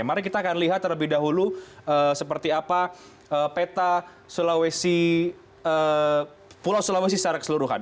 mari kita akan lihat terlebih dahulu seperti apa peta pulau sulawesi secara keseluruhan